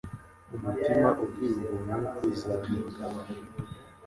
Umutima ugira ubuntu uzatengamara